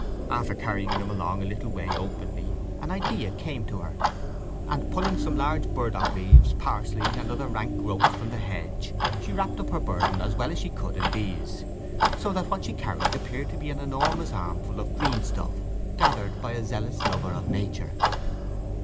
After carrying them along a little way openly an idea came to her, and, pulling some huge burdock leaves, parsley, and other rank growths from the hedge, she wrapped up her burden as well as she could in these, so that what she carried appeared to be an enormous armful of green stuff gathered by a zealous lover of nature.